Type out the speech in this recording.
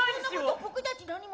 僕たち何も。